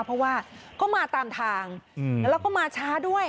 เพราะว่าก็มาตามทางแล้วเราก็มาช้าด้วย